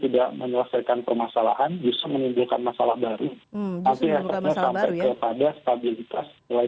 dan juga ada ekstrem buah segar